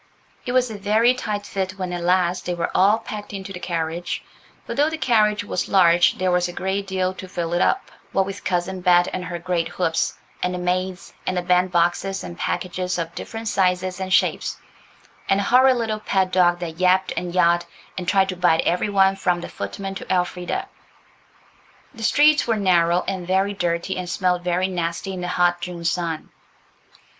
It was a very tight fit when at last they were all packed into the carriage, for though the carriage was large there was a great deal to fill it up, what with Cousin Bet and her great hoops, and the maids, and the band boxes and packages of different sizes and shapes, and the horrid little pet dog that yapped and yahed, and tried to bite every one, from the footmen to Elfrida. The streets were narrow and very dirty, and smelt very nasty in the hot June sun.